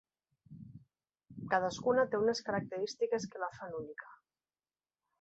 Cadascuna té unes característiques que la fan única.